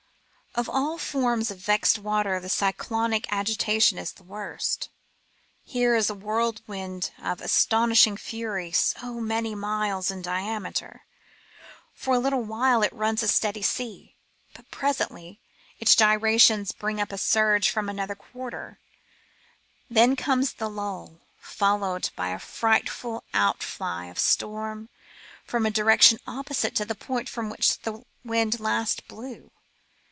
Of all forms of vexed water the cyclonic agitation is the worst. Here is a whirlwind of astonish ing fury so many miles in diameter. For a little while it runs a steady sea, but presently its gyrations bring CALBiS AND SEAS. 135 np a snrge from another quarter ; then comes the lull, followed by a frightful outfly of storm from a direction opposite to the point from which the wind last blew.